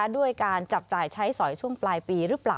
ด้วยการจับจ่ายใช้สอยช่วงปลายปีหรือเปล่า